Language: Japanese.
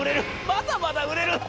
まだまだ売れる！』。